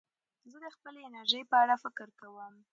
زه د خپلې انرژۍ په اړه فکر کوم.